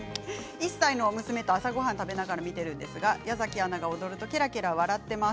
１歳の娘が朝ごはんを食べながら見ていますが矢崎アナが踊る時だけ笑っています。